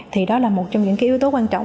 thì đó là một trong những cái yếu tố quan trọng